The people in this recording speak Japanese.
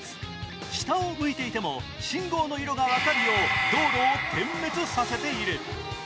下を向いていても信号の色が分かるよう道路を点滅させている。